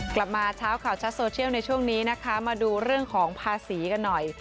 กลับมาเช้าข่าวชัดโซเชียลในช่วงนี้นะคะมาดูเรื่องของภาษีกันหน่อย